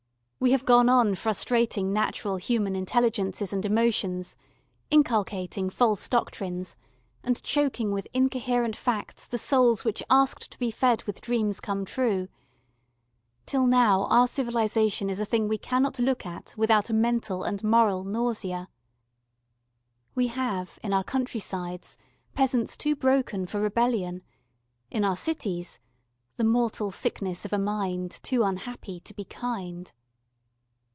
We have gone on frustrating natural human intelligences and emotions, inculcating false doctrines, and choking with incoherent facts the souls which asked to be fed with dreams come true till now our civilisation is a thing we cannot look at without a mental and moral nausea. We have, in our countrysides, peasants too broken for rebellion, in our cities. The mortal sickness of a mind Too unhappy to be kind.